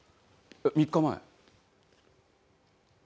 ３日前。